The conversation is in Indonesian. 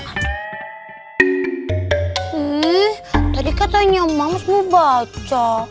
hmm tadi katanya mams mau baca